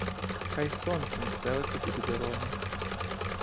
Хай сонцем стелиться тобі дорога!